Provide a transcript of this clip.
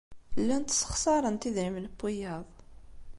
Llant ssexṣarent idrimen n wiyaḍ.